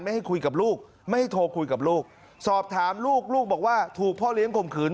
ให้คุยกับลูกไม่ให้โทรคุยกับลูกสอบถามลูกลูกบอกว่าถูกพ่อเลี้ยงข่มขืน